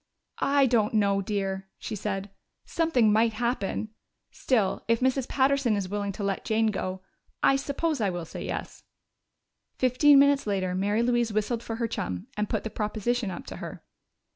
"I don't know, dear," she said. "Something might happen. Still, if Mrs. Patterson is willing to let Jane go, I suppose I will say yes." Fifteen minutes later Mary Louise whistled for her chum and put the proposition up to her.